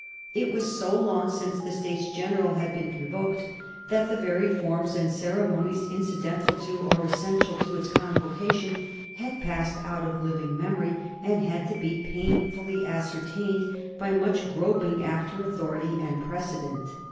It was so long since the States General had been convoked that the very forms and ceremonies incidental to or essential to its convocation had passed out of living memory, and had to be painfully ascertained by much groping after authority and precedent.